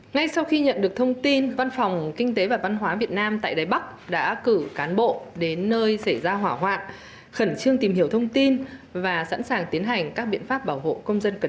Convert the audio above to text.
ngay sau khi nhận được thông tin văn phòng kinh tế và văn hóa việt nam tại đài bắc đã cử cán bộ đến nơi xảy ra hỏa hoạn khẩn trương tìm hiểu thông tin và sẵn sàng tiến hành các biện pháp bảo hộ công dân cần